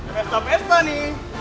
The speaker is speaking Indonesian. kemestap es pani